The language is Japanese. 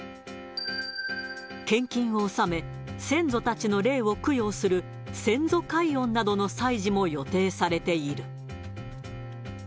献金を納め、先祖たちの霊を供養する先祖解怨などの祭事も予定されている。